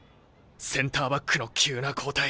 センターバックの急な交代。